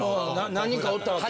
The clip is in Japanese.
何人かおったわけや。